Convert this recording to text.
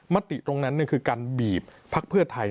ติตรงนั้นคือการบีบพักเพื่อไทย